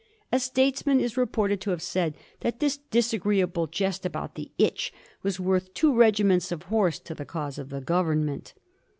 A statesman is reported to have said that this disagreeable jest about the itch was worth two regiments of horse to the cause of the Government.